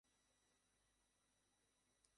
আপনার কারণে চাবিটা এখন আমার হাতে আছে।